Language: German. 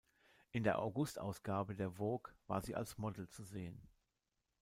In der August-Ausgabe der Vogue war sie als Model zu sehen.